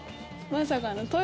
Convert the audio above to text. まさかの。